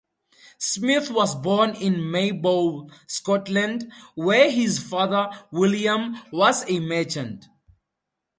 Smith was born in Maybole, Scotland, where his father, William, was a merchant.